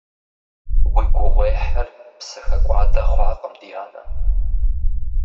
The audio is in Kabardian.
Уи гугъуехьыр псэхэкӀуадэ хъуакъым, ди анэ.